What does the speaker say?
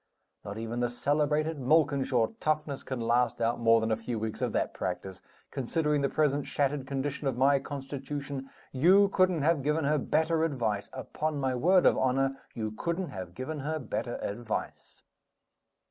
Not even the celebrated Malkinshaw toughness can last out more than a few weeks of that practice. Considering the present shattered condition of my constitution, you couldn't have given her better advice upon my word of honor, you couldn't have given her better advice!"